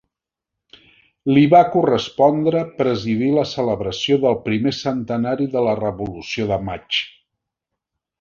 Li va correspondre presidir la celebració del primer centenari de la Revolució de Maig.